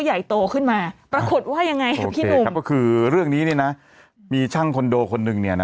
ใหญ่โตขึ้นมาปรากฏว่ายังไงครับพี่หนุ่มครับก็คือเรื่องนี้เนี่ยนะมีช่างคอนโดคนหนึ่งเนี่ยนะ